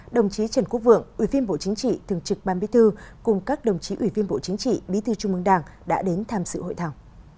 đồng chí trần quốc vượng ủy viên bộ chính trị thường trực ban bí thư cùng các đồng chí ủy viên bộ chính trị bí thư trung mương đảng đã đến tham sự hội thảo